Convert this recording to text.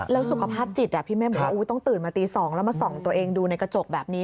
แล้วสุขภาพจิตพี่เมฆบอกว่าต้องตื่นมาตี๒แล้วมาส่องตัวเองดูในกระจกแบบนี้